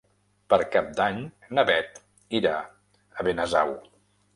Per Cap d'Any na Bet irà a Benasau.